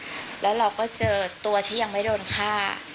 และถือเป็นเคสแรกที่ผู้หญิงและมีการทารุณกรรมสัตว์อย่างโหดเยี่ยมด้วยความชำนาญนะครับ